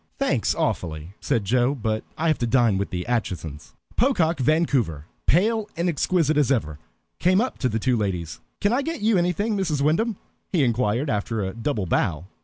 "Thanks, awfully," said Joe, "but I have to dine with the Aitchisons." Pocock Vancouver, pale and exquisite as ever, came up to the two ladies. "Can I get you anything, Mrs. Wyndham?" he inquired, after a double bow.